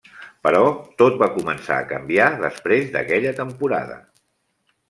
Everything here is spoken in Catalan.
Però tot va començar a canviar després d'aquella temporada.